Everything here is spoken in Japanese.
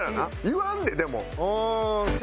言わんででも。